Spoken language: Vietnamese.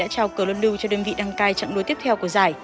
đã trao cờ luân lưu cho đơn vị đăng cai trạng đối tiếp theo của giải